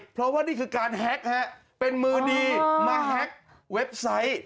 เพราะว่านี่คือการแฮ็กเป็นมือดีมาแฮ็กเว็บไซต์